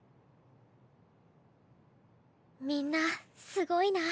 みんなすごいなあ。